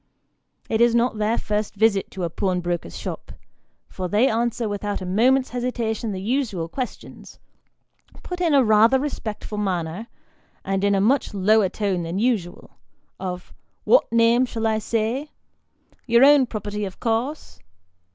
It is not their first visit to a pawnbroker's shop, for they answer without a moment's hesitation the usual questions, put in a rather respectful manner and in a much lower tone than usual, of " What name shall I say ? Your own property, of course